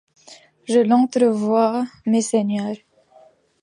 Je l’entrevois, messeigneurs.